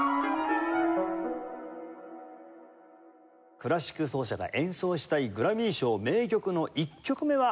クラシック奏者が演奏したいグラミー賞名曲の１曲目はなんでしょうか？